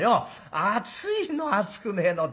熱いの熱くねえのって。